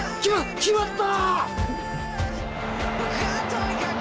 決まった！